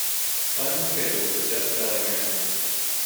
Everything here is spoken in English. Find the schedule for Death Valley Manhunt.